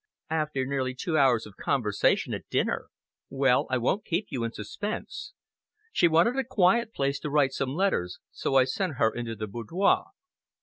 "After nearly two hours of conversation at dinner! Well, I won't keep you in suspense. She wanted a quiet place to write some letters, so I sent her into the boudoir."